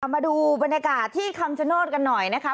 มาดูบรรยากาศที่คำชโนธกันหน่อยนะคะ